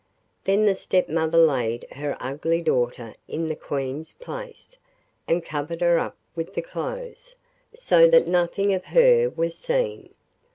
Then the stepmother laid her ugly daughter in the Queen's place, and covered her up with the clothes, so that nothing of her was seen.